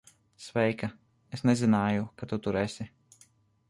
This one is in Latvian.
Sveika. Es nezināju, ka tu tur esi.